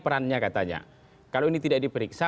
perannya katanya kalau ini tidak diperiksa